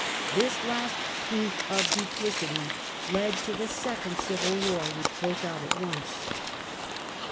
This last proof of duplicity led to the Second Civil War, which broke out at once.